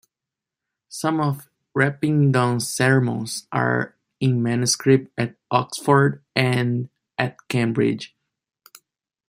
Some of Repyngdon's sermons are in manuscript at Oxford and at Cambridge.